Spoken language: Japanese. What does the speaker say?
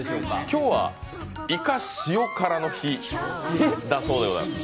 今日はいか塩辛の日だそうでございます